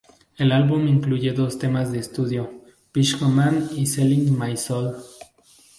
El álbum incluye dos nuevos temas de estudio: "Psycho Man" y "Selling My Soul".